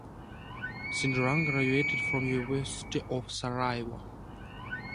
Sidran graduated from University of Sarajevo.